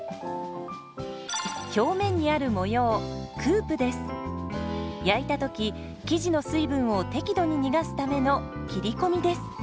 表面にある模様焼いた時生地の水分を適度に逃がすための切り込みです。